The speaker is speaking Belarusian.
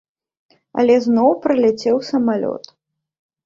Але зноў праляцеў самалёт.